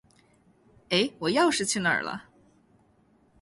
哎，我钥匙哪儿去了？